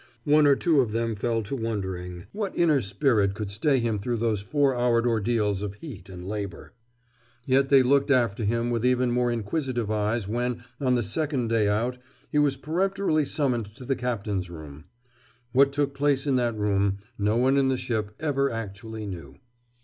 One or two of them fell to wondering what inner spirit could stay him through those four houred ordeals of heat and labor. Yet they looked after him with even more inquisitive eyes when, on the second day out, he was peremptorily summoned to the Captain's room. What took place in that room no one in the ship ever actually knew.